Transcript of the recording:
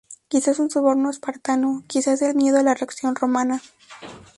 Quizás un soborno espartano, quizás el miedo a la reacción romana.